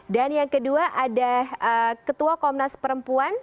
dan yang kedua ada ketua komnas perempuan